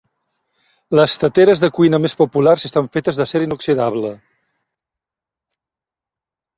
Les teteres de cuina més populars estan fetes d'acer inoxidable.